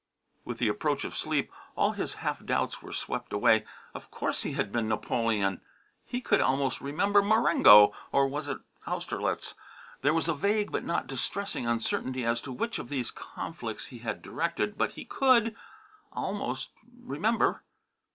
With the approach of sleep all his half doubts were swept away. Of course he had been Napoleon. He could almost remember Marengo or was it Austerlitz? There was a vague but not distressing uncertainty as to which of these conflicts he had directed, but he could almost remember.